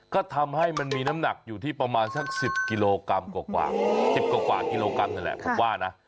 ก็ทำให้มันมีน้ำหนักอยู่ที่ประมาณสัก๑๐กิโลกรัมกว่า๑๐กว่ากิโลกรัมนั่นแหละผมว่านะ